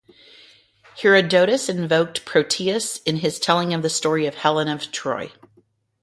Herodotus invoked Proteus in his telling of the story of Helen of Troy.